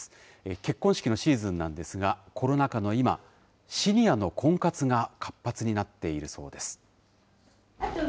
結婚式のシーズンなんですが、コロナ禍の今、シニアの婚活が活発になっているそうです。